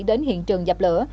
đến hiện trường dập lửa